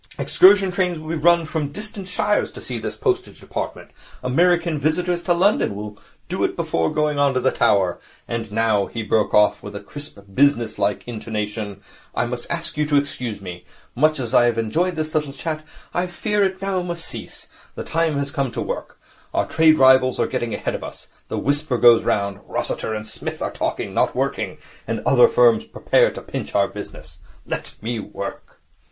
Excursion trains will be run from distant shires to see this Postage Department. American visitors to London will do it before going on to the Tower. And now,' he broke off, with a crisp, businesslike intonation, 'I must ask you to excuse me. Much as I have enjoyed this little chat, I fear it must now cease. The time has come to work. Our trade rivals are getting ahead of us. The whisper goes round, "Rossiter and Psmith are talking, not working," and other firms prepare to pinch our business. Let me Work.'